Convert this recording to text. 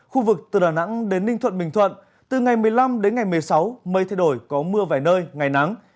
khu vực từ đà nẵng đến ninh thuận bình thuận từ ngày một mươi năm đến ngày một mươi sáu mây thay đổi có mưa vài nơi ngày nắng